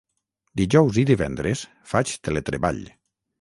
Dijous i divendres faig teletreball.